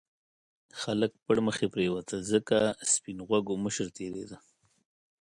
خلک پرمخې پرېوتل ځکه سپین غوږو مشر تېرېده.